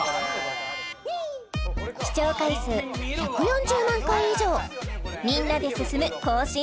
視聴回数１４０万回以上みんなで進む行進